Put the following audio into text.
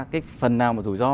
cái phần nào mà rủi ro